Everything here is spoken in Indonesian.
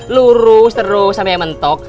lurus terus sampe mentok